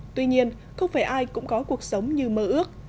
tuy nhiên không phải ai cũng có cuộc sống như mơ ước